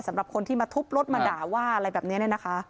สำหรับคนที่มาทุบรถมาด่าว่าอะไรแบบนี้เนี่ยนะคะ